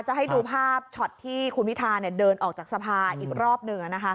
จะให้ดูภาพช็อตที่คุณพิธาเดินออกจากสภาอีกรอบหนึ่ง